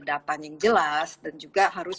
datanya yang jelas dan juga harus